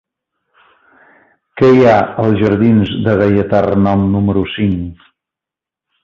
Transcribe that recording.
Què hi ha als jardins de Gaietà Renom número cinc?